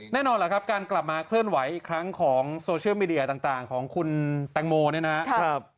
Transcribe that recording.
แน่นอนล่ะครับการกลับมาเคลื่อนไหวอีกครั้งของโซเชียลมีเดียต่างของคุณแตงโมเนี่ยนะครับ